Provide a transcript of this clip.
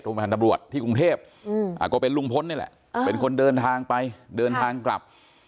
ผ่านตำรวจที่กรุงเทพก็เป็นลุงพลนี่แหละเป็นคนเดินทางไปเดินทางกลับ